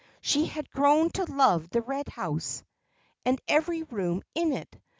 She had grown to love the Red House, and every room in it.